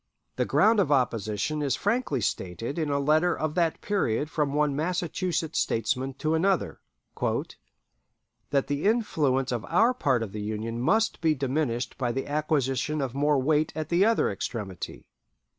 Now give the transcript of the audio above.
The ground of opposition is frankly stated in a letter of that period from one Massachusetts statesman to another "that the influence of our part of the Union must be diminished by the acquisition of more weight at the other extremity."